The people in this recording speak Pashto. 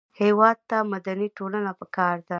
هېواد ته مدني ټولنه پکار ده